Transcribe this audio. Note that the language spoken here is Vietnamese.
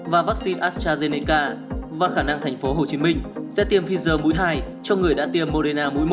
và vaccine astrazeneca và khả năng tp hcm sẽ tiêm pfizer mũi hai cho người đã tiêm moderna mũi một